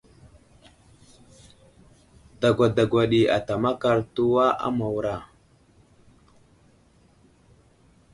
Dagwa dagwa ɗi ata makar təwa a Mawra.